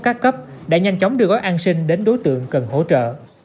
ca cấp đã nhanh chóng đưa gói ăn xin đến đối tượng cần hỗ trợ